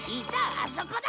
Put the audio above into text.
あそこだ！